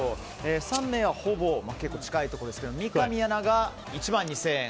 ３名は、ほぼ近いところですが三上アナが１万２０００円と。